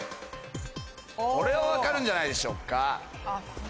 これは分かるんじゃないでしょうか。